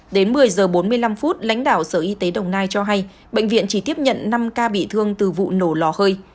đến một mươi giờ bốn mươi năm phút lãnh đạo sở y tế đồng nai cho hay bệnh viện chỉ tiếp nhận năm ca bị thương từ vụ nổ lò hơi